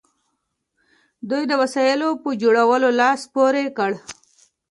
دوی د وسایلو په جوړولو لاس پورې کړ.